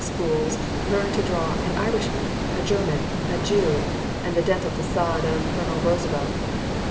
schools learn to draw 'An Irishman,' 'A German,' 'A Jew,' and the dental facade of Colonel Roosevelt.